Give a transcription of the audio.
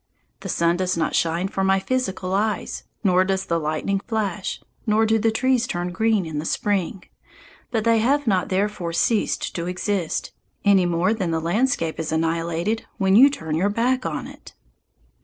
The sun does not shine for my physical eyes, nor does the lightning flash, nor do the trees turn green in the spring; but they have not therefore ceased to exist, any more than the landscape is annihilated when you turn your back on it.